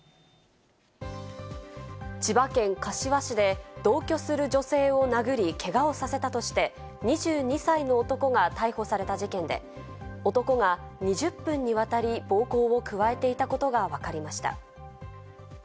千葉県柏市で同居する女性を殴りけがをさせたとして、２２歳の男が逮捕された事件で、男が２０分にわたり暴行を加えていたことがわかりました。